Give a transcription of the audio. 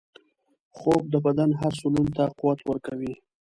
خوب د بدن هر سلول ته قوت ورکوي